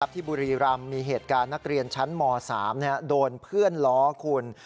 ที่บุรีรำมีเหตุการณ์นักเรียนชั้นม๓โดนเพื่อนล้อคุณ